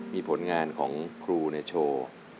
มีผลงานของครูในโชว์